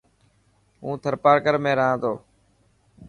هون ٿرپارڪر ۾ رهان ٿو.